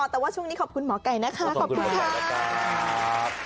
แต่ว่าช่วงนี้ขอบคุณหมอไก่นะคะขอบคุณค่ะ